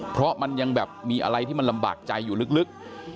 เพราะมันยังแบบมีอะไรที่มันลำบากใจอยู่ลึก